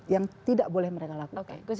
yang tidak boleh mereka lakukan